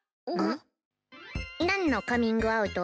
なんのカミングアウト？